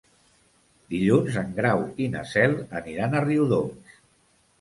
Dilluns en Grau i na Cel aniran a Riudoms.